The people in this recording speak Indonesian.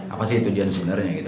apa sih tujuan sebenarnya gitu